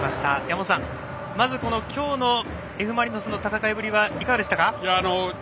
山本さん、まず、今日のＦ・マリノスの戦いぶりはいかがでしたか？